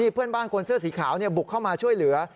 เพื่อนบ้านคนเสื้อสีขาวบุกเข้ามาช่วยเหลือ